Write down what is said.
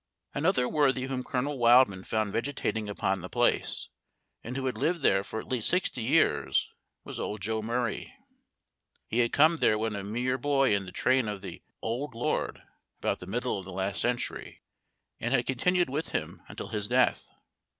Another worthy whom Colonel Wildman found vegetating upon the place, and who had lived there for at least sixty years, was old Joe Murray. He had come there when a mere boy in the train of the "old lord," about the middle of the last century, and had continued with him until his death.